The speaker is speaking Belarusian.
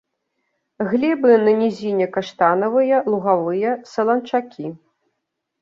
Глебы на нізіне каштанавыя, лугавыя, саланчакі.